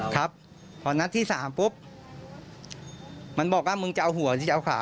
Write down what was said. ครับพอนัดที่๓ปุ๊บมันบอกว่ามึงจะเอาหัวหรือจะเอาขา